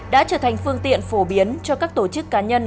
đã trở thành phương tiện phổ biến cho các tổ chức cá nhân